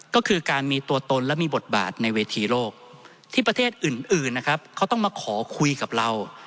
ก็คือการมีตัวตนและมีบทบาทในเวทีโลกที่ประเทศอื่นนะครับเขาต้องมาขอคุยกับเรา